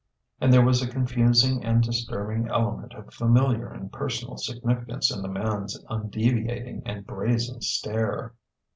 And there was a confusing and disturbing element of familiar and personal significance in the man's undeviating and brazen stare.